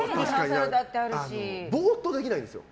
ぼーっとできないんですよ。